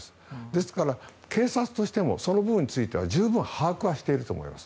ですから警察としてもその部分については十分、把握はしていると思います。